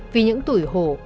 vì những tuổi hổ